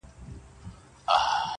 • چي په مینه دي را بولي د دار سرته,